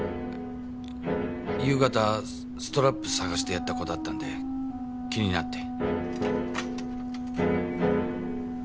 夕方ストラップ探してやった子だったんで気になって。